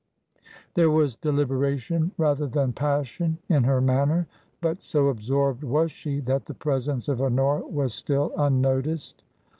There was deliber ation rather than passion in her manner ; but so absorbed was she that the presence of Honora was still unnoticed.